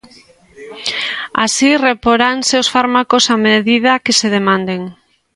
Así, reporanse os fármacos a medida que se demanden.